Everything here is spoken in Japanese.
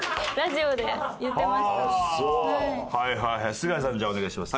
すがやさんじゃあお願いします。